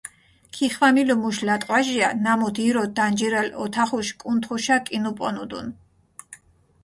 ქიხვამილუ მუშ ლატყვაჟია, ნამუთ ირო დანჯირალ ოთახუშ კუნთხუშა კინუპონუდუნ.